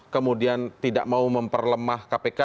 kemudian tidak mau memperlemah kpk